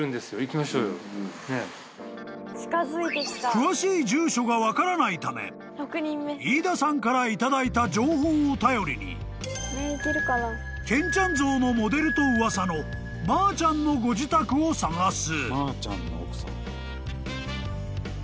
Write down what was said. ［詳しい住所が分からないため飯田さんから頂いた情報を頼りに健ちゃん像のモデルと噂のまーちゃんのご自宅を探す］